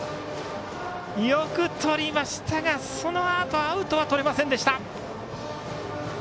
よくとりましたが、そのあとアウトはとれませんでした。